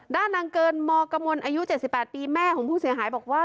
ด้านนางเกินมกมลอายุ๗๘ปีแม่ของผู้เสียหายบอกว่า